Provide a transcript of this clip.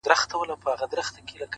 هر منزل د ژمنتیا غوښتنه کوي